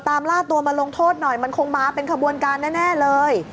ล่าตัวมาลงโทษหน่อยมันคงมาเป็นขบวนการแน่เลย